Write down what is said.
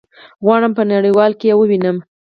غواړم په نړيوالو کي يي ووينم